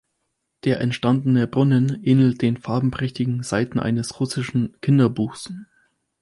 Der entstandene Brunnen ähnelt den farbenprächtigen Seiten eines russischen Kinderbuchs.